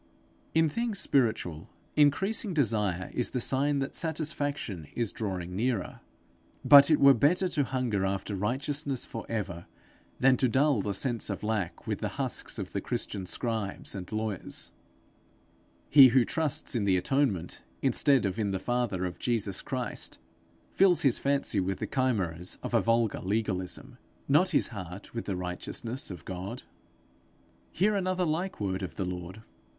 In things spiritual, increasing desire is the sign that satisfaction is drawing nearer. But it were better to hunger after righteousness for ever than to dull the sense of lack with the husks of the Christian scribes and lawyers: he who trusts in the atonement instead of in the father of Jesus Christ, fills his fancy with the chimeras of a vulgar legalism, not his heart with the righteousness of God. Hear another like word of the Lord.